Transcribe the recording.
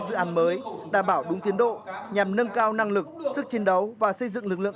dự án mới đảm bảo đúng tiến độ nhằm nâng cao năng lực sức chiến đấu và xây dựng lực lượng